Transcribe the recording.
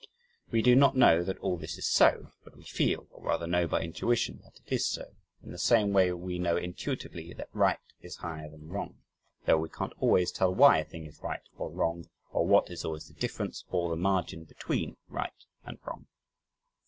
We do not know that all this is so, but we feel, or rather know by intuition that it is so, in the same way we know intuitively that right is higher than wrong, though we can't always tell why a thing is right or wrong, or what is always the difference or the margin between right and wrong.